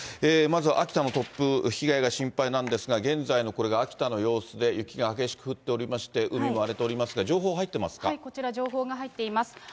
まずは秋田の突風、被害が心配なんですが、現在のこれが秋田の様子で、雪が激しく降っておりまして、海も荒れておりますが、こちら、情報が入っています。